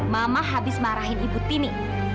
mama habis marahin ibu tini